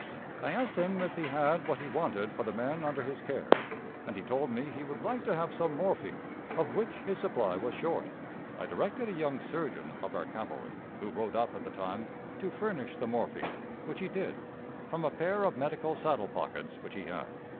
I asked him if he had what he wanted for the men under his care, and he told me he would like to have some morphine, of which his supply was short. I directed a young surgeon of our cavalry, who rode up at the time, to furnish the morphine, which he did, from a pair of medical saddle pockets which he had.